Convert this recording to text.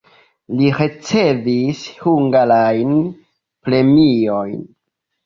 Li ricevis hungarajn premiojn.